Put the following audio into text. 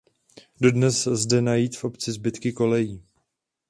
Dodnes zde najít v obce zbytky kolejí.